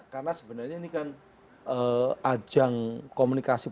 karena sebenarnya ini kan ajang komunikasi politik sudah berpindah dari negara